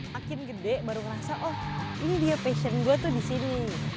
makin gede baru ngerasa oh ini dia passion gue tuh di sini